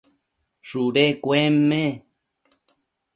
shudu cuenme